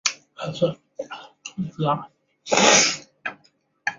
联合国对其他目标在中国的实现表示乐观。